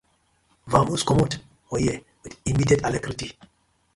Vamoose comot for here with immediate alarcrity.